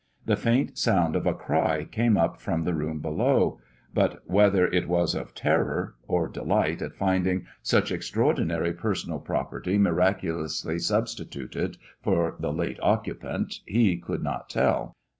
The faint sound of a cry came up from the room below, but whether it was of terror, or delight at finding such extraordinary personal property miraculously substituted for the late occupant, he could not tell.